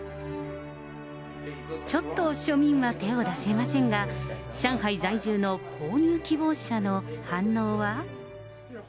ちょっと庶民は手を出せませんが、上海在住の購入希望者の反応は？